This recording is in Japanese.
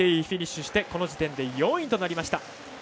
フィニッシュしてこの時点で４位となりました。